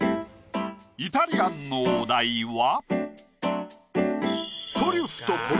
イタリアンのお題は。